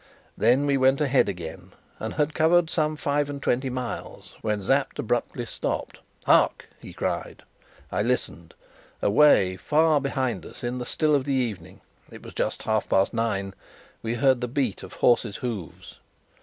Then we went ahead again, and had covered some five and twenty miles, when Sapt abruptly stopped. "Hark!" he cried. I listened. Away, far behind us, in the still of the evening it was just half past nine we heard the beat of horses' hoofs.